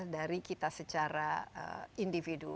dari kita secara individu